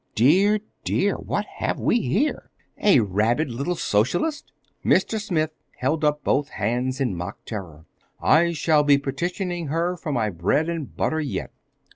"Dear, dear! What have we here? A rabid little Socialist?" Mr. Smith held up both hands in mock terror. "I shall be petitioning her for my bread and butter, yet!"